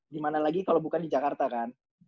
gimana lagi kalau bukan di jakarta kan